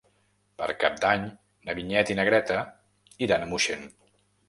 Per Cap d'Any na Vinyet i na Greta iran a Moixent.